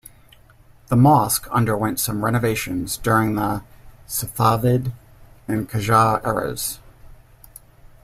The mosque underwent some renovations during the Safavid and Qajar eras.